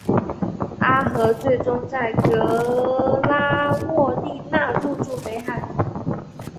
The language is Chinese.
阿河最终在格拉沃利讷注入北海。